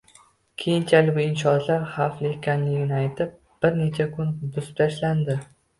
Keyinchalik bu inshootlar xavfli ekanligini aytib, bir necha kun buzib tashlandi